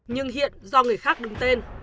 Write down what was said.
nhưng hiện do người khác đứng tên